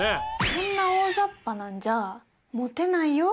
そんな大ざっぱなんじゃモテないよ？